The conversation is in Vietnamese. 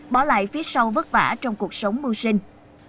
bỏ lại phía sau vất vả trong cuộc sống mưu sinh